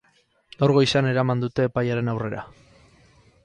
Gaur goizean eraman dute epailearen aurrera.